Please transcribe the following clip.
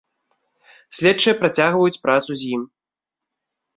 Следчыя працягваюць працу з ім.